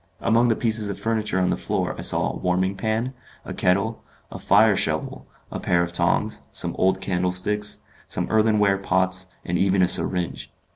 Among the pieces of furniture on the floor I saw a warming pan, a kettle, a fire shovel, a pair of tongs, some old candle sticks, some earthenware pots, and even a syringe.